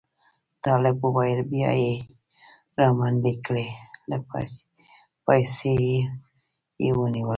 طالب وویل بیا یې را منډې کړې له پایڅې یې ونیولم.